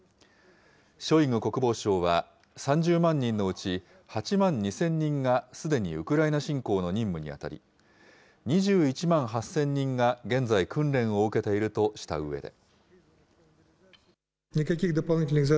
ショイグ国防相は、３０万人のうち８万２０００人がすでにウクライナ侵攻の任務に当たり、２１万８０００人が現在訓練を受けているとしたうえで。